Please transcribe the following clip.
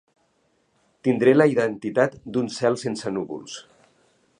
Tindré la identitat d'un cel sense núvols.